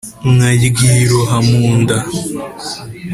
nkalyiroha mu nda